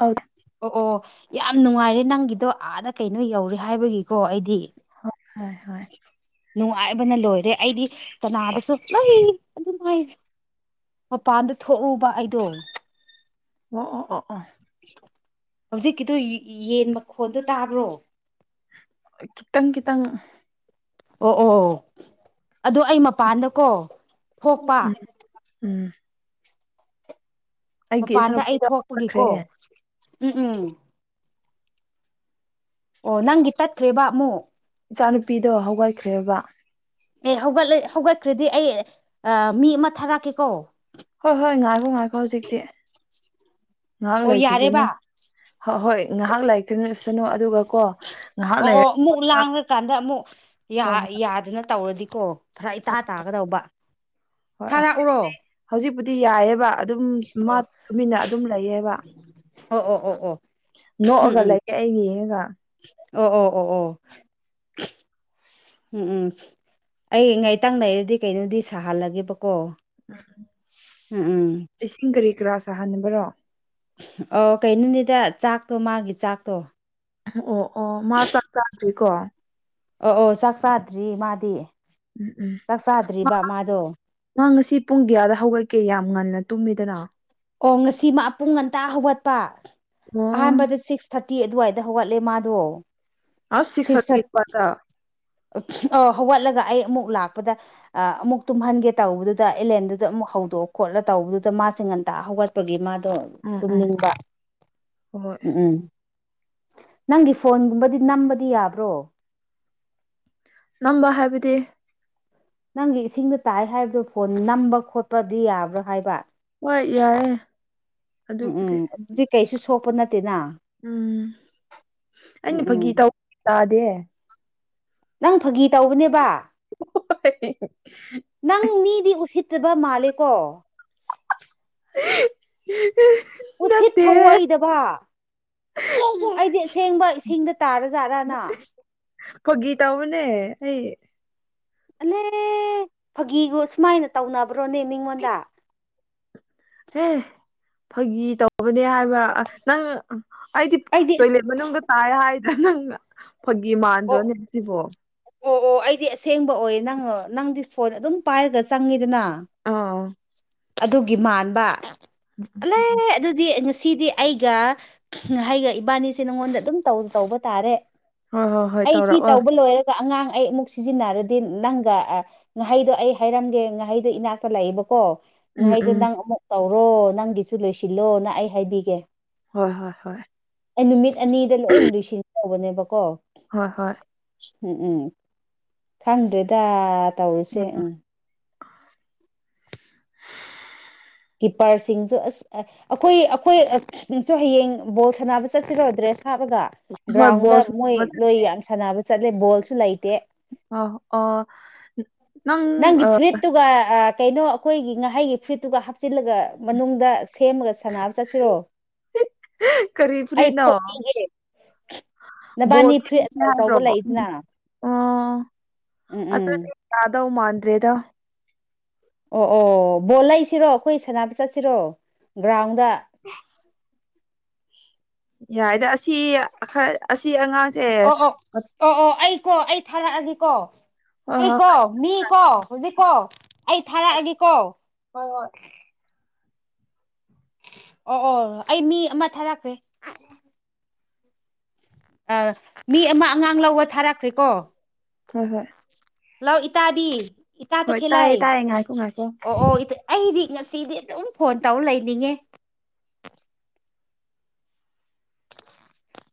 ꯑꯧ ꯑꯣ ꯑꯣ ꯌꯥꯝ ꯅꯨꯡꯉꯥꯏꯔꯦ ꯅꯪꯒꯤꯗꯣ ꯑꯥꯗ ꯀꯩꯅꯣ ꯌꯧꯔꯦ ꯍꯥꯏꯕꯒꯤꯀꯣ ꯑꯩꯗꯤ ꯍꯣꯏ ꯍꯣꯏ ꯅꯨꯡꯉ ꯉꯥꯏꯕꯅ ꯂꯣꯏꯔꯦ ꯑꯩꯗꯤ ꯀꯅꯥꯗꯁꯨ ꯂꯩ ꯑꯗꯨꯅꯦ ꯃꯄꯥꯟꯗ ꯊꯣꯛꯎꯕ ꯑꯩꯗꯣ ꯑꯣ ꯑꯣ ꯑꯣ ꯍꯧꯖꯤꯛꯀꯤꯗꯣ ꯌꯦ ꯌꯦꯟ ꯃꯈꯣꯜꯗꯣ ꯇꯥꯕ꯭ꯔꯣ ꯈꯤꯇꯪ ꯈꯤꯇꯪ ꯑꯣ ꯑꯣꯑꯣ ꯑꯗꯣ ꯑꯩ ꯃꯄꯥꯟꯗꯀꯣ ꯊꯣꯛꯄ ꯎꯝ ꯎꯝ ꯑꯩꯒꯤ ꯃꯄꯥꯟꯗ ꯑꯩ ꯏꯆꯥꯅꯨꯄꯤꯗꯣ ꯍꯧꯒꯠꯈ꯭ꯔꯦ ꯊꯣꯛꯄꯒꯤꯀꯣ ꯎꯝ ꯎꯝ ꯑꯣ ꯅꯪꯒꯤ ꯇꯠꯈ꯭ꯔꯦꯕ ꯑꯃꯨꯛ ꯏꯆꯥꯅꯨꯄꯤꯗꯣ ꯍꯧꯒꯠꯈ꯭ꯔꯦꯕꯥ ꯑꯦ ꯍꯧꯒꯠꯂ ꯍꯧꯒꯠꯇ꯭ꯔꯗꯤ ꯑꯩ ꯑ ꯃꯤ ꯑꯃ ꯊꯥꯔꯛꯀꯦꯀꯣ ꯍꯣꯏ ꯍꯣꯏ ꯉꯥꯏꯈꯣ ꯉꯍꯥꯛ ꯑꯣ ꯌꯥꯔꯦꯕ ꯂꯩꯈꯤꯁꯅꯨ ꯑꯣ ꯍꯣ ꯍꯣꯏ ꯉꯍꯥꯛ ꯂꯩꯥꯈꯤꯁꯅꯨ ꯑꯗꯨꯒ ꯀꯣ ꯉꯥꯏꯍꯥꯛ ꯑꯣ ꯂꯩꯔ ꯑꯣ ꯑꯃꯨꯛ ꯂꯥꯡꯂꯀꯥꯟꯗ ꯑꯃꯨꯛ ꯌꯥ ꯍꯣꯏ ꯍꯣꯏ ꯌꯥꯗꯅ ꯇꯧꯔꯗꯤꯀꯣ ꯐꯔꯛ ꯏꯇꯥ ꯍꯣꯏ ꯇꯥꯒꯗꯧꯕ ꯊꯥꯔꯛꯎꯔꯣ ꯗꯤ ꯌꯥꯏꯑꯦꯕ ꯑꯗꯨꯝ ꯃꯥ ꯑꯣ ꯇꯨꯃꯤꯟꯅ ꯑꯗꯨꯝ ꯂꯩꯌꯦꯕ ꯑꯣ ꯑꯣ ꯑꯣ ꯑꯣ ꯎꯝ ꯅꯣꯛꯑꯒ ꯎꯝ ꯂꯩꯌꯦ ꯑꯩ ꯌꯦꯡꯉꯒ ꯑꯣ ꯑꯣ ꯑꯣ ꯑꯣ ꯎꯝ ꯎꯝ ꯑꯩ ꯉꯥꯏꯇꯪ ꯂꯩꯔꯗꯤ ꯀꯩꯅꯣꯗꯤ ꯁꯥꯍꯜꯂꯒꯦꯕꯀꯣ ꯎꯝ ꯎꯝ ꯏꯁꯤꯡ ꯀꯔꯤ ꯀꯔꯥ ꯁꯥꯍꯟꯅꯕꯔꯣ ꯑꯣ ꯀꯩꯅꯣꯅꯤꯗꯥ ꯆꯥꯛꯇꯣ ꯃꯥꯒꯤ ꯆꯥꯛꯇꯣ ꯑꯣ ꯑꯣ ꯃꯥ ꯆꯥꯛ ꯆꯥꯗ꯭ꯔꯤꯀꯣ ꯑꯣ ꯑꯣ ꯆꯥꯛ ꯆꯥꯗ꯭ꯔꯤ ꯃꯥꯗꯤ ꯎꯝ ꯎꯝ ꯆꯥꯛ ꯃꯥ ꯆꯥꯗ꯭ꯔꯤꯕ ꯃꯥꯗꯣ ꯃꯥ ꯉꯁꯤ ꯄꯨꯡ ꯒꯤꯌꯥꯗ ꯍꯧꯒꯠꯀꯦ ꯌꯥꯝ ꯉꯟꯅ ꯇꯨꯝꯃꯦꯗꯅꯥ ꯑꯣ ꯉꯁꯤ ꯃꯥ ꯄꯨꯡ ꯉꯟꯇꯥ ꯍꯧꯒꯠꯄ ꯑꯣ ꯑꯍꯥꯟꯕꯗ ꯁꯤꯛꯁ ꯊꯥꯔ ꯇꯤ ꯑꯗꯨꯋꯥꯏꯗ ꯍꯧꯒꯠꯂꯦ ꯃꯥꯗꯣ ꯑꯁ ꯁꯤꯛꯁ ꯊꯥꯔꯇꯤ ꯑꯗꯨꯋꯥꯏꯗꯥ ꯑ ꯍꯧꯒꯠꯂꯒ ꯑꯩ ꯑꯃꯨꯛ ꯂꯥꯛꯄꯗ ꯑ ꯑꯃꯨꯛ ꯇꯨꯝꯍꯟꯒꯦ ꯇꯧꯕꯗꯨꯗꯥ ꯑꯩ ꯂꯦꯝꯗꯨꯗ ꯑꯃꯨꯛ ꯍꯧꯗꯣꯛ ꯈꯣꯠꯂ ꯇꯧꯕꯗꯨꯗ ꯃꯥꯁꯦ ꯉꯟꯇꯥ ꯍꯧꯒꯠꯄꯒꯤ ꯃꯥ ꯗꯣ ꯎꯝ ꯎꯝ ꯇꯨꯝꯅꯤꯡꯕ ꯍꯣꯏ ꯎꯝ ꯎꯝ ꯅꯪꯒꯤ ꯐꯣꯟꯒꯨꯝꯕꯗꯤ ꯅꯝꯕꯗꯤ ꯌꯥꯕ꯭ꯔꯣ ꯅꯝꯕ ꯍꯥꯏꯕꯗꯤ ꯅꯪꯒꯤ ꯏꯁꯤꯡꯗ ꯇꯥꯏ ꯍꯥꯏꯕꯗꯣ ꯐꯣꯟ ꯅꯝꯕ ꯈꯣꯠꯄꯗꯤ ꯌꯥꯕ꯭ꯔꯥ ꯍꯥꯏꯕ ꯍꯣꯏ ꯌꯥꯏꯌꯦ ꯎꯝ ꯎꯝ ꯑꯗꯨꯕꯨꯗꯤ ꯑꯗꯨꯗꯤ ꯀꯩꯁꯨ ꯁꯣꯛꯄ ꯅꯠ ꯎꯝ ꯎꯝ ꯑꯩꯅ ꯎꯝ ꯐꯥꯒꯤ ꯇꯧ ꯇꯥꯗꯤꯌꯦ ꯅꯪ ꯐꯒꯤ ꯇꯧꯕꯅꯦꯕꯥ ꯅꯪ ꯃꯤꯗꯤ ꯎꯁꯤꯠ ꯇꯕ ꯃꯥꯜꯂꯦꯀꯣ ꯑ ꯑ ꯍꯦ ꯍꯦ ꯎꯁꯤꯠ ꯊꯧꯑꯣꯏꯗꯕꯥ ꯑꯩꯗꯤ ꯑꯁꯦꯡꯕ ꯏꯁꯤꯡꯗ ꯇꯥꯔꯖꯥꯠꯔꯅ ꯐꯒꯤ ꯇꯧꯕꯅꯦ ꯑꯩ ꯑꯂꯦ ꯐꯒꯤꯕꯨ ꯑꯁꯨꯃꯥꯏꯅ ꯇꯧꯅꯕ꯭ꯔꯣꯅꯦ ꯃꯤꯉꯣꯟꯗ ꯍꯦ ꯐꯒꯤ ꯇꯧꯕꯅꯦ ꯍꯥꯏꯕ ꯑꯁ ꯅꯪ ꯑꯩꯗꯤ ꯇꯣꯏꯂꯦꯠ ꯃꯅꯨꯡꯗ ꯇꯥꯏ ꯍꯥꯏꯗ꯭ꯔ ꯅꯪꯅ ꯐꯒꯤ ꯑꯣ ꯃꯥꯟꯗ꯭ꯔꯣꯅꯦ ꯖꯤꯕꯣ ꯑꯣ ꯑꯣ ꯑꯩꯗꯤ ꯑꯁꯦꯡꯕ ꯑꯣꯏꯌꯦ ꯅꯪ ꯅꯪꯗꯤ ꯐꯣꯟ ꯑꯗꯨꯝ ꯄꯥꯏꯔꯒ ꯆꯪꯉꯤꯗꯅꯥ ꯑꯥ ꯑꯗꯨꯒꯤ ꯃꯥꯟꯕ ꯎꯝ ꯎꯝ ꯑꯂꯦ ꯎꯝ ꯎꯝ ꯑꯗꯨꯗꯤ ꯑꯩ ꯉ ꯁꯤꯗꯤ ꯑꯩꯒ ꯉꯥꯍꯩꯒ ꯏꯕꯥꯅꯤꯁꯦ ꯅꯪꯉꯣꯟꯗ ꯑꯗꯨꯝ ꯇꯧ-ꯇꯧꯕ ꯇꯥꯔꯦ ꯍꯣꯏ ꯍꯣꯏ ꯍꯣꯏ ꯑꯩ ꯁꯤ ꯇꯧꯔꯛꯑꯣ ꯇꯧꯕ ꯂꯣꯏꯔꯒ ꯑꯉꯥꯡ ꯑꯩ ꯑꯃꯨꯛ ꯁꯤꯖꯤꯟꯅꯔꯗꯤ ꯅꯪꯒ ꯑ ꯉꯥꯍꯩꯗꯣ ꯑꯩ ꯍꯥꯏꯔꯝꯒꯦ ꯉꯥꯍꯩꯗꯣ ꯏꯅꯥꯛꯇ ꯂꯩꯕꯀꯣ ꯎꯝ ꯉꯥꯍꯩꯗꯣ ꯎꯝ ꯅꯪ ꯑꯃꯨꯛ ꯇꯧꯔꯣ ꯅꯪꯒꯤꯁꯨ ꯂꯣꯏꯁꯤꯜꯂꯣ ꯅ ꯑꯩ ꯍꯥꯏꯕꯤꯒꯦ ꯍꯣꯏ ꯍꯣꯏ ꯍꯣꯏ ꯑꯩ ꯅꯨꯃꯤꯠ ꯑꯅꯤꯗ ꯂꯣꯏꯅ ꯂꯣꯏꯁꯤꯟ ꯇꯧꯕꯅꯦꯕꯀꯣ ꯍꯣꯏ ꯍꯣꯏ ꯎꯝ ꯎꯝ ꯈꯪꯗ꯭ꯔꯦꯗꯥ ꯎꯝ ꯇꯧꯔꯤꯁꯦ ꯑ [unintelligible] ꯀꯤꯞꯄꯔꯁꯤꯡꯁꯨ ꯑꯁ ꯑ ꯑꯩꯈꯣꯏ ꯑꯩꯈꯣꯏꯁꯨ ꯍꯌꯦꯡ ꯕꯣꯜ ꯁꯥꯟꯅꯕ ꯆꯠꯁꯤꯔꯣ ꯗ꯭ꯔꯦꯁ ꯍꯥꯞꯔꯒ ꯍꯣꯏ ꯕꯣꯜ ꯒ꯭ꯔꯥꯎꯟꯗ ꯃꯣꯏ ꯂꯣꯏ ꯌꯥꯝ ꯁꯥꯟꯅꯕ ꯆꯠꯂꯦ ꯕꯣꯜꯁꯨ ꯂꯩꯇꯦ ꯑꯧ ꯑꯣ ꯅꯪ ꯅꯪꯒꯤ ꯑ ꯐꯨꯔꯤꯠꯇꯨꯒ ꯑ ꯀꯩꯅꯣ ꯑꯈꯣꯏꯒꯤ ꯉꯥꯍꯩꯒꯤ ꯐꯨꯔꯤꯠꯇꯨꯒ ꯍꯥꯞ ꯆꯤꯜꯂꯒ ꯃꯅꯨꯡꯗ ꯁꯦꯝꯃꯒ ꯁꯥꯟꯅꯕ ꯆꯠꯁꯤꯔꯣ [unintelligible] ꯀꯔꯤ ꯑꯩ ꯐꯨꯔꯤꯠ ꯅꯣ ꯐꯣꯠ ꯄꯤꯒꯦ ꯕꯣꯜ ꯅꯕꯥꯅꯤ ꯐꯨꯔꯤꯠ [unintelligible] ꯑꯆꯧ ꯑꯆꯧꯕ ꯅꯥꯟꯗ꯭ꯔꯕꯣ ꯎꯝ ꯂꯩꯗꯅ ꯎꯝ ꯎꯝ ꯑꯣ ꯎꯝ ꯑꯗꯨꯗꯤ ꯌꯥꯥꯗꯧ ꯃꯥꯟꯗ꯭ꯔꯦꯗ ꯑꯣ ꯑꯣ ꯕꯣꯜ ꯂꯩꯁꯤꯔꯣ ꯑꯩꯈꯣꯏ ꯁꯥꯟꯅꯕ ꯆꯠꯁꯤꯔꯣ ꯒ꯭ꯔꯥꯎꯟꯗ ꯌꯥꯏꯗ ꯑꯁꯤ ꯈꯔ- ꯑꯁꯤ ꯑꯉꯥꯡꯁꯦ ꯑꯣ ꯑꯣ ꯍꯣꯏ ꯑꯣ ꯑꯣ ꯑꯩ ꯀꯣ ꯑꯩ ꯊꯥꯔꯛꯑꯒꯦꯀꯣ ꯑꯩ ꯍꯣꯏ ꯀꯣ ꯃꯤ ꯀꯣ ꯍꯧꯖꯤꯛ ꯀꯣ ꯑꯩ ꯊꯥꯔꯛꯑꯒꯦꯀꯣ ꯍꯣꯏ ꯍꯣ ꯑꯣ ꯑꯣ ꯑꯩ ꯃꯤ ꯑꯃ ꯊꯥꯔꯛꯈ꯭ꯔꯦ ꯑ ꯃꯤ ꯑꯃ ꯑꯉꯥꯡ ꯂꯧꯕ ꯊꯥꯔꯛꯈ꯭ꯔꯦꯀꯣ ꯍꯣꯏ ꯍꯣꯏ ꯍꯜꯂꯣ ꯏꯇꯥꯗꯤ ꯏꯇꯥ ꯍꯣꯏ ꯇꯈꯦꯜꯂꯩ ꯇꯥꯏꯌꯦ ꯇꯥꯏꯌꯦ ꯉꯥꯏꯈꯣ ꯉꯥꯏꯈꯣ ꯑꯣ ꯑꯣ ꯏ ꯑꯩꯗꯤ ꯉꯁꯤꯗꯤ ꯑꯗꯨꯝ ꯐꯣꯟ ꯇꯧ ꯂꯩꯅꯤꯡꯉꯦ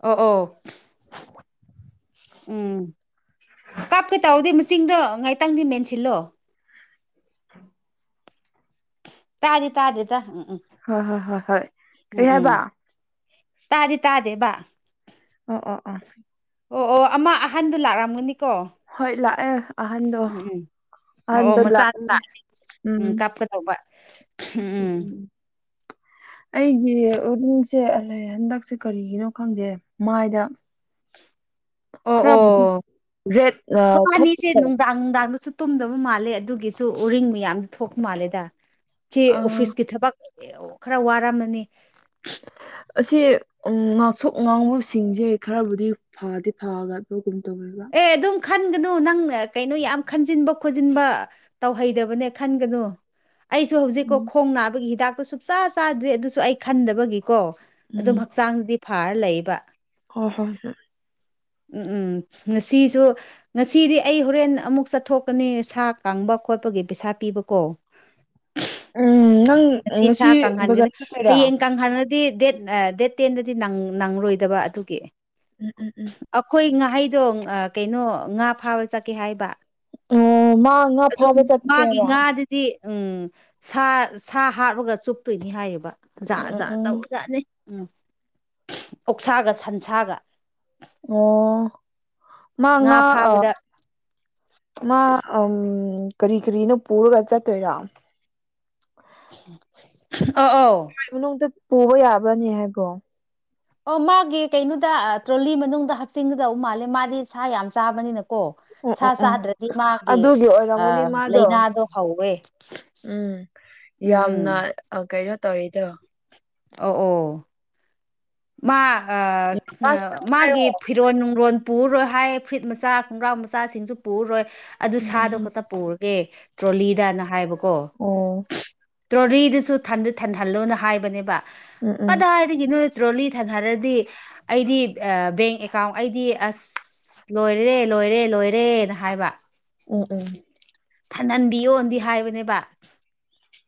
ꯑꯣ ꯑꯣ ꯎꯝ ꯀꯥꯞꯀꯦ ꯇꯧꯔꯗꯤ ꯃꯆꯤꯟꯗꯣ ꯉꯥꯏꯇꯪꯗꯤ ꯃꯦꯟꯁꯤꯜꯂꯣ [inaudible] ꯇꯥꯗꯤ ꯇꯥꯗꯦꯗ ꯎꯝ ꯍꯣꯏ ꯍꯣꯏ ꯍꯣꯏ ꯍꯣꯏ ꯎꯝ ꯀꯩ ꯎꯝ ꯍꯥꯏꯕꯥ ꯇꯥꯗꯤ ꯇꯥꯗꯦ ꯕꯥ ꯑꯣ ꯑꯣ ꯑ ꯑꯣ ꯑꯣ ꯑꯃ ꯑꯍꯟꯗꯨ ꯂꯥꯛꯑꯝꯒꯅꯤꯀꯣ ꯍꯣꯏ ꯂꯥꯛꯑꯦ ꯑꯍꯟꯗꯣ ꯑꯣ ꯑꯣ ꯑꯍꯟꯗꯣ ꯃꯆꯥ ꯇꯥꯛ ꯂꯥꯛꯑꯦ ꯎꯝ ꯀꯥꯞꯀꯗꯧꯕ ꯎꯝ ꯎꯝ ꯑꯩꯒꯤ [unintelligible] ꯆꯦ [unintelligible] ꯂꯦ ꯍꯟꯗꯛꯁꯦ ꯀꯔꯤꯒꯤꯅꯣ ꯈꯪꯗꯦ ꯃꯥꯏꯗ ꯑꯣ ꯈꯔꯕꯨꯗꯤ ꯑꯣ ꯔꯦꯠ ꯝꯕꯅꯤꯁꯦ ꯊꯣꯛꯄ ꯅꯨꯡꯗꯥꯡ ꯅꯨꯡꯗꯥꯡꯗꯁꯨ ꯇꯨꯝꯗꯕ ꯃꯥꯜꯂꯦ ꯑꯗꯨꯒꯤꯁꯨ ꯎꯔꯤꯡ ꯃꯌꯥꯝꯗ ꯊꯣꯛꯄ ꯃꯥꯜꯂꯦꯗ ꯆꯦ ꯑꯣꯐꯤꯁꯀꯤ ꯊꯕꯛ ꯑꯦ ꯑꯣ ꯈꯔ ꯋꯥꯔꯝꯃꯅꯤ ꯑꯁꯤ ꯎꯡ ꯉꯥꯛꯁꯣꯛ ꯉꯥꯡꯕꯁꯤꯡꯁꯦ ꯈꯔꯕꯨꯗꯤ ꯐꯗꯤ ꯐꯕ ꯑꯗꯨ ꯑꯦ ꯑꯗꯨꯝ ꯈꯟꯒꯅꯨ ꯨꯅꯪ ꯀꯩꯅꯣ ꯌꯥꯝ ꯈꯟꯖꯤꯟꯕ ꯈꯣꯠꯖꯤꯟꯕ ꯇꯧꯍꯩꯗꯕꯅꯦ ꯈꯟꯒꯅꯨ ꯑꯩꯁꯨ ꯍꯧꯖꯤꯛꯀꯣ ꯎꯝ ꯈꯣꯡ ꯅꯥꯕꯒꯤ ꯍꯤꯗꯥꯛꯇꯨ ꯁꯨꯡꯆꯥ ꯆꯥꯗ꯭ꯔꯤ ꯑꯗꯨꯁꯨ ꯑꯩ ꯈꯟꯗꯕꯒꯤꯀꯣ ꯑꯗꯨꯝ ꯎꯝ ꯍꯛꯆꯥꯡꯗꯨꯗꯤ ꯐꯔ ꯂꯩꯕ ꯍꯣꯏ ꯍꯣꯏ ꯍꯨꯡ ꯎꯝ ꯎꯝ ꯉꯁꯤꯁꯨ ꯉꯁꯤꯗꯤ ꯑꯩ ꯍꯣꯔꯦꯟ ꯑꯃꯨꯛ ꯆꯠꯊꯣꯛꯀꯅꯤ ꯁꯥ ꯀꯥꯡꯕ ꯈꯣꯠꯄꯒꯤ ꯄꯩꯁꯥ ꯄꯤꯕꯀꯣ ꯎꯝ ꯅꯪ ꯉꯁꯤ ꯁꯥ ꯀꯪꯍꯟꯒꯅꯤ ꯕꯖꯥꯔ ꯆꯠꯇꯣꯏꯔꯥ ꯍꯌꯦꯡ ꯀꯪꯍꯥꯟ ꯗꯤ ꯗꯦꯠ ꯗꯦꯠ ꯇꯦꯟꯗꯗꯤ ꯅꯪꯔꯣꯏꯗꯕ ꯑꯗꯨꯒꯤ ꯎꯝ ꯎꯝ ꯎꯝ ꯑꯩꯈꯣꯏ ꯉꯥꯍꯩꯗꯣ ꯀꯩꯅꯣ ꯉꯥ ꯐꯥꯕ ꯆꯠꯀꯦ ꯍꯥꯏꯕ ꯑꯣ ꯃꯥ ꯉꯥ ꯑꯗꯨꯝ ꯐꯥꯕ ꯃꯥꯒꯤ ꯆꯠꯀꯦꯕ ꯉꯥꯗꯨꯗꯤ ꯎꯝ ꯁꯥ ꯁꯥ ꯍꯥꯠꯂꯒ ꯆꯨꯞꯇꯣꯏꯅꯤ ꯍꯥꯏꯌꯦꯕ ꯎꯝ ꯖꯥꯠ ꯎꯝ ꯖꯥꯠ ꯎꯝ ꯇꯧꯔꯖꯅꯤ ꯎꯝ ꯑꯣꯛꯁꯥꯒ ꯁꯥꯟꯁꯥꯒ ꯑꯣ ꯃꯥ ꯉꯥ ꯑ ꯃꯥ ꯑꯝ ꯀꯔꯤ ꯀꯔꯤꯅꯣ ꯄꯨꯔꯒ ꯆꯠꯇꯣꯏꯔꯣ [unintelligible] ꯃꯅꯨꯡꯗ ꯄꯨꯕ ꯌꯥꯕ꯭ꯔꯅꯦ ꯍꯥꯏꯕꯣ ꯑꯣ ꯃꯥꯒꯤ ꯀꯩꯅꯣꯗ ꯇ꯭ꯔꯣꯂꯤ ꯃꯅꯨꯡꯗ ꯍꯥꯞꯆꯤꯟꯒꯗꯧ ꯃꯥꯜꯂꯦ ꯃꯥꯗꯤ ꯁꯥ ꯌꯥꯝ ꯆꯥꯕꯅꯤꯅ ꯀꯣ ꯎꯝ ꯁꯥ ꯎꯝ ꯎꯝ ꯆꯥꯗ꯭ꯔꯗꯤ ꯃꯥꯒꯤ ꯑꯗꯨꯒꯤ ꯑꯣꯏꯔꯝꯒꯅꯤ ꯃꯥꯗꯣ ꯂꯩꯅꯗꯣ ꯍꯧꯋꯦ ꯎꯝ ꯎꯝ ꯌꯥꯝꯅ ꯀꯩꯅꯣ ꯇꯧꯋꯤꯗꯣ ꯑꯧ ꯑꯣ ꯃꯥ ꯑ ꯎꯝ ꯎꯝ ꯎꯝ ꯑꯣ ꯎꯝ ꯎꯝ ꯎꯝ ꯃꯥꯒꯤ ꯐꯤꯔꯣꯟ ꯅꯨꯡꯔꯣꯟ ꯄꯨꯔꯣꯏ ꯍꯥꯏ ꯐꯨꯔꯤꯠ ꯃꯆꯥ ꯈꯣꯡꯒ꯭ꯔꯥꯎ ꯃꯆꯥꯁꯤꯡꯁꯨ ꯄꯨꯔꯣꯏ ꯑꯗꯨ ꯁꯥꯗꯣ ꯈꯛꯇ ꯄꯨꯔꯒꯦ ꯇ꯭ꯔꯣꯂꯤꯗꯅ ꯍꯥꯏꯕꯀꯣ ꯇ꯭ꯔꯣꯂꯤꯗꯨꯁꯨ ꯊꯟꯍꯜꯂꯣꯅ ꯍꯥꯏꯕꯅꯦꯕ ꯀꯗꯥꯏꯗꯒꯤꯅꯣ ꯇ꯭ꯔꯣꯂꯤ ꯊꯜꯍꯜꯂꯗꯤ ꯑꯩꯗꯤ ꯕꯦꯡ ꯑꯦꯀꯥꯎꯟ ꯑꯩꯗꯤ ꯑꯁ ꯂꯣꯏꯔꯦ ꯂꯣꯏꯔꯦ ꯂꯣꯏꯔꯦꯅ ꯍꯥꯏꯕ ꯎꯝ ꯎꯝ ꯊꯟꯍꯟꯕꯤꯌꯣꯅꯗꯤ ꯍꯥꯏꯕꯅꯦꯕ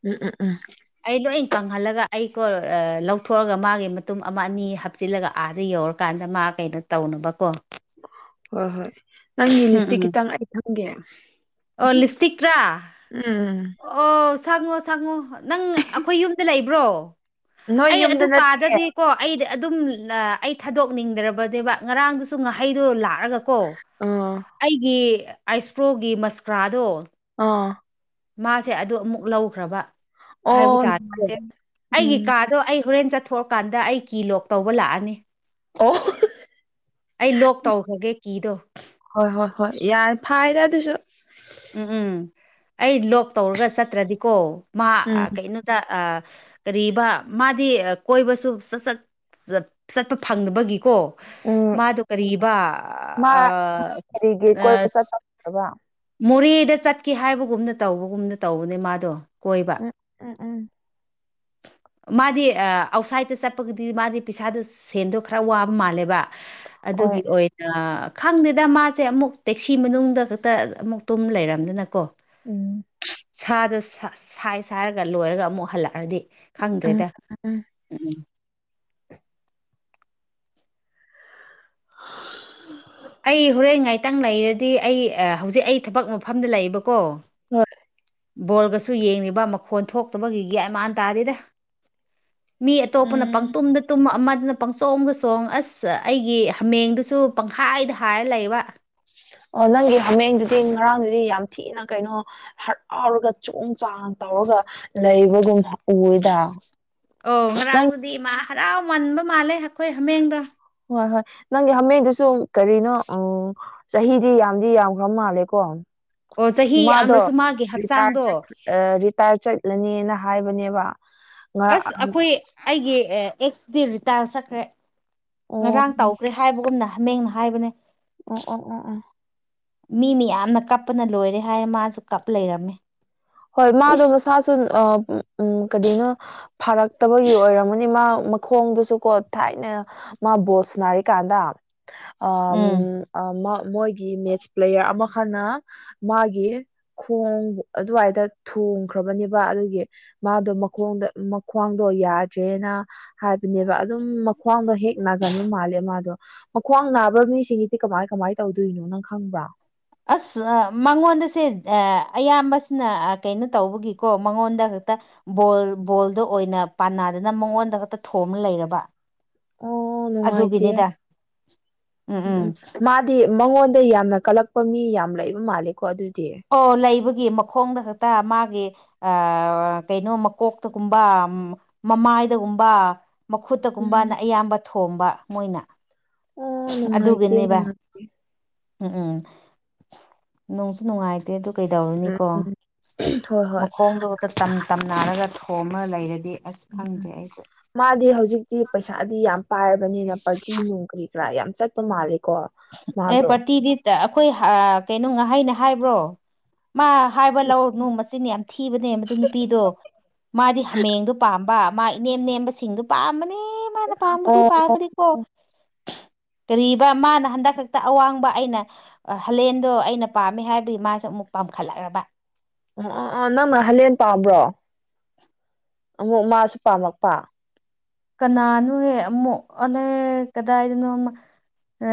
ꯎꯝ ꯎꯝ ꯎꯝ ꯑꯩ ꯂꯣꯏ ꯀꯪꯍꯜꯂꯒ ꯑꯩꯀꯣ ꯂꯧꯊꯣꯛꯑꯒ ꯃꯥꯒꯤ ꯃꯇꯨꯝ ꯑꯃ ꯑꯅꯤ ꯍꯥꯞꯆꯤꯜꯂꯒ ꯑꯥꯗ ꯌꯧꯔꯀꯥꯟꯗ ꯃꯥ ꯀꯩꯅꯣ ꯇꯧꯅꯕ ꯀꯣ ꯍꯣꯏ ꯍꯣꯏ ꯅꯪꯒꯤ ꯎꯝ ꯂꯤꯞꯁꯇꯤꯛ ꯎꯝ ꯈꯤꯇꯪ ꯑꯩ ꯁꯪꯒꯦ ꯑꯣ ꯂꯤꯞꯁꯇꯤꯛꯇ꯭ꯔꯥ ꯎꯝ ꯑꯣ ꯁꯪꯉꯣ ꯁꯪꯉꯣ ꯅꯪ ꯑꯩꯈꯣꯏ ꯌꯨꯝꯗ ꯂꯩꯕ꯭ꯔꯣ ꯅꯣꯏ ꯑꯩ ꯑꯗꯨ ꯌꯨꯝꯗ ꯅꯠꯇꯦ ꯀꯥꯗꯗꯤꯀꯣ ꯑꯩꯗ ꯑꯗꯨꯝ ꯑꯩ ꯊꯥꯗꯣꯛꯅꯤꯡꯗ꯭ꯔꯕꯅꯦꯕ ꯉꯔꯥꯡꯗꯨꯁꯨ ꯉꯥꯍꯩꯗꯣ ꯂꯥꯛ ꯆꯠꯑꯒꯀꯣ ꯑꯥ ꯑꯩꯒꯤ ꯑꯥꯏꯁꯄ꯭ꯔꯣꯒꯤ ꯃꯁꯀ꯭ꯔꯥꯗꯣ ꯑꯥ ꯃꯥꯁꯦ ꯑꯗꯨ ꯑꯃꯨꯛ ꯂꯧꯈ꯭ꯔꯕ ꯍꯥꯏꯕ ꯑꯣ ꯇꯥꯇꯣ ꯅꯨꯡꯉꯥꯏꯇꯦ ꯑꯩꯒꯤ ꯎꯝ ꯀꯥꯗꯣ ꯑꯩ ꯍꯣꯔꯦꯟ ꯆꯠ ꯊꯣꯛꯑꯀꯥꯟꯗ ꯑꯩ ꯀꯤ ꯂꯣꯛ ꯇꯧꯕ ꯂꯥꯛꯑꯅꯤ ꯑꯣ ꯑꯩ ꯂꯣꯛ ꯇꯧꯈ꯭ꯔꯒꯦ ꯀꯤꯗꯣ ꯍꯣꯏ ꯍꯣꯏ ꯍꯣꯏ ꯌꯥꯔ ꯐꯥꯏꯗ ꯑꯗꯨꯁꯨ ꯎꯝ ꯎꯝ ꯑꯩ ꯂꯣꯛ ꯇꯧꯔꯒ ꯆꯠꯇ꯭ꯔꯗꯤꯀꯣ ꯃꯥ ꯎꯝ ꯀꯩꯅꯣꯗ ꯀꯔꯤꯕ ꯃꯥꯗꯤ ꯀꯣꯏꯕꯁꯨ ꯆꯠꯄ ꯐꯪꯗꯕꯒꯤꯀꯣ ꯎꯝ ꯃꯥꯗꯨ ꯀꯔꯤꯕꯥ ꯃꯥ ꯑ ꯀꯔꯤꯒꯤ ꯀꯣꯏꯕ ꯑ ꯆꯠꯄ ꯐꯪꯗꯕ ꯃꯣꯔꯦꯗ ꯆꯠꯀꯦ ꯍꯥꯏꯕꯒꯨꯝꯅ ꯇꯧꯕꯒꯨꯝꯅ ꯇꯧꯕꯅꯦ ꯃꯥꯗꯣ ꯀꯣꯏꯕ ꯎꯝ ꯎꯝ ꯎꯝ ꯃꯥꯗꯤ ꯑꯥꯎꯠꯁꯥꯏꯗꯒꯤꯗ ꯆꯠꯄꯒꯤꯗꯤ ꯃꯥꯗꯤ ꯄꯩꯁꯥꯗꯣ ꯁꯦꯟꯗꯣ ꯈꯔ ꯋꯥꯕ ꯃꯥꯜꯂꯦꯕ ꯍꯣꯏ ꯑꯗꯨꯒꯤ ꯑꯣꯏꯅ ꯈꯪꯗꯦꯗ ꯃꯥꯁꯦ ꯑꯃꯨꯛ ꯇꯦꯛꯁꯤ ꯃꯅꯨꯡꯗ ꯈꯛꯇ ꯑꯃꯨꯛ ꯇꯨꯝ ꯂꯩꯔꯝꯗꯅꯀꯣ ꯎꯝ ꯁꯥꯗꯣ ꯁꯥ ꯁꯥꯏ ꯁꯥꯏꯔꯒ ꯂꯣꯏꯔꯒ ꯑꯃꯨꯛ ꯍꯜꯂꯛꯑꯗꯤ ꯎꯝ ꯈꯪꯗ꯭ꯔꯦꯗꯥ ꯎꯝ ꯎꯝ ꯑꯩ ꯍꯣꯔꯦꯟ ꯉꯥꯏ ꯇꯪ ꯂꯩꯔꯗꯤ ꯑꯩ ꯑ ꯍꯧꯖꯤꯛ ꯑꯩ ꯊꯕꯛ ꯃꯐꯝꯗ ꯂꯩꯕꯀꯣ ꯍꯣꯏ ꯕꯣꯜꯒꯁꯨ ꯌꯦꯡꯉꯤꯕꯥ ꯃꯈꯣꯟ ꯊꯣꯛꯇꯕꯒꯤ ꯒ꯭ꯌꯥꯟ ꯃꯥꯟ ꯇꯥꯗꯦꯗꯥ ꯃꯤ ꯑꯇꯣꯞꯄꯅ ꯎꯝ ꯄꯪꯇꯨꯝꯗ ꯇꯨꯝꯃ ꯑꯃ ꯑꯃꯅ ꯄꯪꯆꯣꯡꯗ ꯆꯣꯡ ꯑꯁ ꯑꯩꯒꯤ ꯍꯥꯃꯦꯡꯗꯨꯁꯨ ꯄꯪꯍꯥꯏꯗ ꯍꯥꯏꯔ ꯂꯩꯕ ꯑꯣ ꯅꯪꯒꯤ ꯍꯥꯃꯦꯡꯗꯨꯗꯤ ꯉꯔꯥꯡꯗꯨꯗꯤ ꯌꯥꯝ ꯊꯤꯅ ꯀꯩꯅꯣ ꯍꯔꯥꯎꯔꯒ ꯆꯣꯡ ꯆꯥꯡ ꯇꯧꯔꯒ ꯂꯩꯕꯒꯨꯝ ꯎꯌꯦꯗꯥ ꯑꯣ ꯉꯔꯥꯡꯗꯨꯗꯤ ꯃꯥ ꯍꯔꯥꯎꯃꯟꯕ ꯃꯥꯜꯂꯦ ꯑꯈꯣꯏ ꯍꯥꯃꯦꯡꯗꯣ ꯍꯣ ꯍꯣꯏ ꯅꯪꯒꯤ ꯍꯥꯃꯦꯡꯗꯨꯁꯨ ꯀꯔꯤꯅꯣ ꯎꯝ ꯆꯍꯤꯗꯤ ꯌꯥꯝꯗꯤ ꯌꯥꯝꯈ꯭ꯔ ꯃꯥꯜꯂꯦꯀꯣ ꯑꯣ ꯆꯍꯤ ꯃꯥꯗꯣ ꯌꯥꯝꯅꯁꯨ ꯃꯥꯒꯤ ꯔꯤꯇꯥꯔ ꯍꯛꯆꯥꯡꯗꯣ ꯆꯠ ꯑ ꯔꯤꯇꯥꯔ ꯆꯠꯂꯅꯦꯅꯥ ꯍꯥꯏꯕꯅꯦꯕꯥ ꯑꯁ ꯑꯈꯣꯏ ꯑꯩꯒꯤ ꯑꯦꯛꯁ ꯇꯤ ꯔꯤꯇꯥꯜ ꯆꯠꯈ꯭ꯔꯦ ꯑꯣ ꯉꯔꯥꯡ ꯇꯧꯈ꯭ꯔꯦ ꯍꯥꯏꯕꯒꯨꯝꯅ ꯍꯥꯃꯦꯡꯅ ꯍꯥꯏꯕꯅꯦ ꯑꯣ ꯑꯣ ꯑꯣ ꯑꯣ ꯃꯤ ꯃꯌꯥꯝꯅ ꯀꯞꯄꯅ ꯂꯣꯏꯔꯦ ꯍꯥꯏꯌꯦ ꯃꯥꯁꯨ ꯀꯞ ꯂꯩꯔꯝꯃꯦ ꯍꯣꯏ ꯃꯥꯗꯣ ꯎꯏꯁ ꯃꯁꯥꯁꯨ ꯑ ꯎꯝ ꯀꯔꯤꯅꯣ ꯐꯥꯔꯛꯇꯕꯒꯤ ꯑꯣꯏꯔꯝꯒꯅꯤ ꯃꯥ ꯃꯈꯣꯡꯗꯨꯁꯨ ꯀꯣ ꯊꯥꯏꯅ ꯃꯥ ꯕꯣꯜ ꯁꯥꯟꯅꯔꯤꯀꯥꯟꯗ ꯑꯥꯝ ꯎꯝ ꯑ ꯃ ꯃꯣꯏꯒꯤ ꯃꯦꯠꯆ ꯄ꯭ꯂꯦꯌꯥꯔ ꯑꯃꯈꯅ ꯃꯥꯒꯤ ꯈꯣꯡ ꯑꯗꯨꯋꯥꯏ ꯇ ꯊꯣꯝꯈ꯭ꯔꯕꯅꯦꯕꯥ ꯑꯗꯨꯒꯤ ꯃꯥꯗꯣ ꯃꯈꯣꯡꯗ ꯃꯈ꯭ꯋꯥꯡꯗꯣ ꯌꯥꯗ꯭ꯔꯦꯅꯥ ꯍꯥꯏꯕꯅꯦꯕꯥ ꯑꯗꯨꯝ ꯃꯈ꯭ꯋꯥꯡꯗꯣ ꯍꯦꯛ ꯅꯥꯒꯟꯕ ꯃꯥꯜꯂꯦ ꯃꯥꯗꯣ ꯃꯈ꯭ꯋꯥꯡ ꯅꯥꯕ ꯃꯤꯁꯤꯡꯒꯤꯗꯤ ꯀꯃꯥꯏ ꯀꯃꯥꯏ ꯇꯧꯗꯣꯏꯅꯣ ꯅꯪ ꯈꯪꯕ꯭ꯔꯥ ꯑꯁ ꯃꯉꯣꯟꯗꯁꯦ ꯑ ꯑꯌꯥꯝꯕꯁꯤꯅ ꯀꯩꯅꯣ ꯇꯧꯕꯒꯤꯀꯣ ꯃꯉꯣꯟꯗ ꯗ ꯕꯣꯜ ꯕꯣꯜꯗ ꯑꯣꯏꯅ ꯄꯥꯟꯅꯗꯅ ꯃꯉꯣꯟꯗ ꯈꯇ ꯊꯣꯝꯃ ꯂꯩꯔꯕꯥ ꯑꯣ ꯅꯨꯡꯉꯥꯏꯇꯦ ꯎꯝ ꯎꯝ ꯃꯥꯗꯤ ꯃꯉꯣꯟ ꯇꯩ ꯌꯥꯝꯅ ꯀꯜꯂꯛꯄ ꯃꯤ ꯌꯥꯝ ꯂꯩꯕ ꯃꯥꯜꯂꯦꯀꯣ ꯑꯗꯨ ꯑꯣ ꯂꯩꯕꯒꯤ ꯃꯈꯣꯡꯗ ꯈꯛꯇ ꯃꯥꯒꯤ ꯑꯥ ꯀꯩꯅꯣ ꯃꯀꯣꯛꯇꯒꯨꯝꯕ ꯃꯃꯥꯏꯗꯒꯨꯝꯕ ꯎꯝ ꯃꯈꯨꯠꯇꯒꯨꯝꯕꯅ ꯑꯌꯥꯝꯕ ꯊꯣꯝꯕ ꯃꯣꯏꯅ ꯑ ꯅꯨꯡꯉꯥꯏꯇꯦ ꯑꯗꯨꯒꯤꯅꯦꯕ ꯅꯨꯡꯉꯥꯏꯇꯦ ꯎꯝ ꯎꯝ ꯅꯣꯡꯁꯨ ꯅꯨꯡꯉꯥꯏꯇꯦ ꯑꯗꯨ ꯎꯝ ꯀꯩꯗꯧꯔꯨꯅꯤꯀꯣ ꯍꯣꯏ ꯍꯣꯏ ꯃꯈꯣꯡꯗꯣ ꯇ ꯇꯝ ꯇꯝ ꯅꯥꯔꯒ ꯊꯣꯝꯃ ꯂꯩꯔꯗꯤ ꯑꯁ ꯎꯝ ꯎꯝ ꯈꯪꯗ꯭ꯔꯦ ꯑꯩꯁꯨ ꯃꯥꯗꯤ ꯍꯧꯖꯤꯛꯇꯤ ꯄꯩꯁꯥꯗꯤ ꯌꯥꯝ ꯄꯥꯏꯔꯕꯅꯤꯅ ꯄꯥꯔꯇꯤ ꯅꯨꯡ ꯀꯔꯤ [unintelligible] ꯌꯥꯝ ꯆꯠꯄ ꯃꯥꯜꯂꯤ ꯑꯦ ꯄꯥꯔꯇꯤꯗꯤ ꯇ ꯑꯈꯣꯏ ꯑ ꯀꯩꯅꯣ ꯉꯍꯩꯅ ꯍꯥꯏꯕ꯭ꯔꯣ ꯃꯥ ꯍꯥꯏꯕ ꯂꯧꯔꯨꯅꯨ ꯃꯆꯤꯟ ꯌꯥꯝ ꯊꯤꯕꯅꯦ ꯃꯗꯨ ꯅꯨꯄꯤꯗꯣ ꯃꯥꯗꯤ ꯍꯥꯃꯦꯡꯗꯣ ꯄꯥꯝꯕ ꯃꯥ ꯏꯅꯦꯝ ꯅꯦꯝꯕ ꯁꯤꯡꯗꯨ ꯄꯥꯝꯕꯅꯤ ꯃꯥꯅ ꯄꯥꯝꯕꯗꯤ ꯑꯣ ꯑꯣ ꯄꯥꯕꯗꯤꯀꯣ ꯀꯔꯤꯕ ꯃꯥꯅ ꯍꯟꯗꯛ ꯈꯛꯇ ꯑꯋꯥꯡꯕ ꯑꯩꯅ ꯑ ꯍꯂꯦꯟꯗꯣ ꯑꯩꯅ ꯄꯥꯝꯃꯦ ꯍꯥꯏꯕꯒꯤ ꯃꯥꯁꯨ ꯑꯃꯨꯛ ꯄꯥꯝꯈꯠꯂꯛꯑꯕ ꯑꯣ ꯑꯣ ꯑꯣ ꯅꯪꯅ ꯍꯂꯦꯟ ꯄꯥꯝꯕ꯭ꯔꯣ ꯑꯃꯨꯛ ꯃꯥꯁꯨ ꯄꯥꯝꯃꯛꯄꯥ ꯀꯅꯥꯅꯣꯍꯦ ꯑꯃꯨꯛ ꯑꯂꯦ ꯀꯗꯥꯏꯗꯅꯣꯃ ꯑ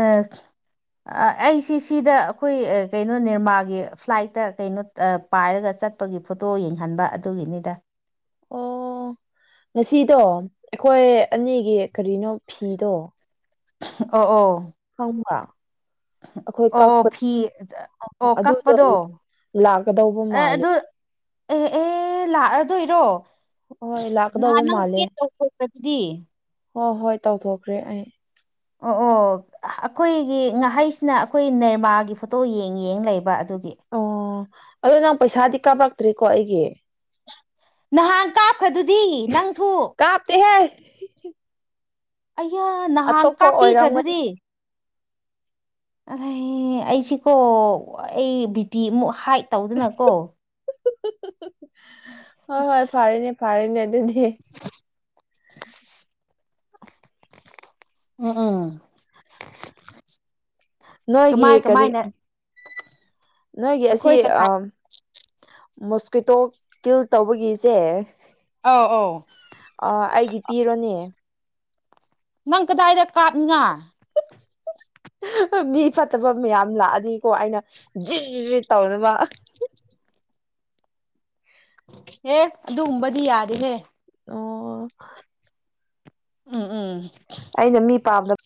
ꯑ ꯑꯩꯁꯤ ꯁꯤꯗ ꯑꯈꯣꯏ ꯀꯩꯅꯣ ꯅꯦꯔꯃꯥꯒꯤ ꯐ꯭ꯂꯥꯏꯠꯇ ꯀꯩꯅꯣ ꯑ ꯄꯥꯏꯔꯒ ꯆꯠꯄꯒꯤ ꯐꯣꯇꯣ ꯌꯦꯡꯍꯟꯕ ꯑꯗꯨꯒꯤꯅꯤꯗ ꯑꯣ ꯉꯁꯤꯗꯣ ꯑꯩꯈꯣꯏ ꯑꯅꯤ ꯑꯦ ꯀꯔꯤꯅꯣ ꯐꯤꯗꯣ ꯑꯣ ꯑꯣ ꯈꯪꯕ꯭ꯔ ꯑꯩꯈꯣꯏ ꯑꯣ ꯑꯣ ꯀꯛꯄ ꯐꯤ ꯑ ꯑꯣ ꯑꯗꯨꯗꯣ ꯀꯛꯄꯗꯣ ꯂꯥꯛꯀꯗꯧꯕ ꯑꯦ ꯃꯥꯜꯂꯦ ꯑꯗꯨ ꯑꯦ ꯑꯦ ꯂꯥꯛꯑꯗꯨꯏꯔꯣ ꯍꯣꯏ ꯂꯥꯛꯀꯗꯧꯕ ꯅꯍꯥꯟ ꯅꯪ ꯃꯥꯜꯂꯦ [unintelligible] ꯍꯣꯏ ꯍꯣꯏ ꯇꯧꯊꯣꯛꯈ꯭ꯔꯦ ꯑꯩ ꯑꯣ ꯑꯣ ꯑꯩꯈꯣꯏꯒꯤ ꯉꯍꯩꯁꯤꯅ ꯑꯩꯈꯣꯏ ꯅꯦꯔꯃꯥꯒꯤ ꯐꯣꯇꯣ ꯌꯦꯡ ꯌꯦꯡ ꯂꯩꯕ ꯑꯗꯨꯒꯤ ꯑꯣ ꯑꯗꯨ ꯅꯪ ꯄꯩꯁꯥꯗꯤ ꯀꯥꯞꯔꯛꯇ꯭ꯔꯤꯀꯣ ꯑꯩꯒꯤ ꯅꯍꯥꯟ ꯀꯥꯞꯈ꯭ꯔꯗꯨꯗꯤ ꯅꯪꯁꯨ ꯀꯥꯞꯇꯦ ꯍꯦ ꯑꯩꯌꯥ ꯅꯍꯥꯟ ꯑꯣꯏꯔꯝꯒꯅꯤ ꯀꯥꯞꯄꯤꯈ꯭ꯔꯗꯨꯗꯤ ꯑꯍꯩ ꯑꯩꯁꯤꯀꯣ ꯑꯩ ꯕꯤ ꯄꯤ ꯑꯃꯨꯛ ꯍꯥꯏꯠ ꯇꯧꯗꯅꯀꯣ ꯍꯣꯏ ꯍꯣꯏ ꯐꯥꯔꯦꯅꯦ ꯐꯥꯔꯦꯅꯦ ꯑ ꯗꯨꯗꯤ ꯎꯝ ꯎꯝ ꯅꯣꯏꯒꯤ ꯀꯃꯥꯏ ꯀꯔꯤ ꯀꯃꯥꯏꯅ ꯅꯣꯏꯒꯤ ꯑꯁꯤ ꯑꯩꯈꯣꯏ ꯀꯅꯥ ꯑꯝ ꯃꯣꯁꯀꯨꯏꯇꯣ ꯀꯤꯜ ꯇꯧꯕꯒꯤꯖꯦ ꯑꯧ ꯑꯧ ꯑꯥ ꯑꯩꯒꯤ ꯄꯤꯔꯅꯤ ꯅꯪ ꯀꯗꯥꯏꯗ ꯀꯥꯞꯅꯤꯡꯉꯥꯏ ꯃꯤ ꯐꯠꯇꯕ ꯃꯌꯥꯝ ꯂꯥꯛꯑꯗꯤꯀꯣ ꯑꯩꯅ ꯖꯤꯔꯤꯔꯤ ꯇꯧꯅꯕ [inaudible] ꯍꯦ ꯑꯗꯨꯒꯨꯝꯕꯗꯤ ꯌꯥꯗꯦꯍꯦ ꯑꯣ ꯎꯝ ꯎꯝ ꯑꯩꯅ ꯃꯤ ꯄꯥꯝꯗꯕ